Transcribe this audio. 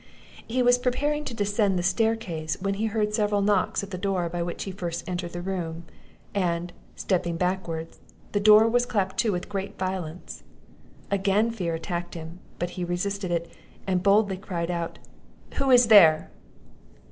He was preparing to descend the staircase, when he heard several knocks at the door by which he first entered the room; and, stepping backward, the door was clapped to with great violence. Again fear attacked him, but he resisted it, and boldly cried out, "Who is there?"